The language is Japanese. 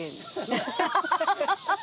アハハハ！